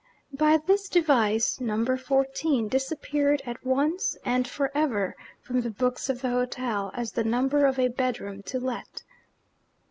By this device, Number Fourteen disappeared at once and for ever from the books of the hotel, as the number of a bedroom to let.